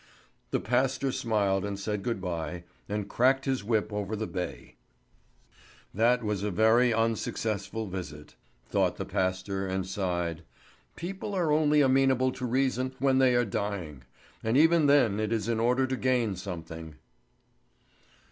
The pastor smiled and said good bye, and cracked his whip over the bay. "That was a very unsuccessful visit," thought the pastor, and sighed. "People are only amenable to reason when they are dying; and even then it is in order to gain something."